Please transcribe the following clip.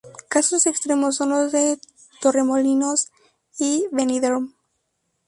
Casos extremos son los de Torremolinos y Benidorm.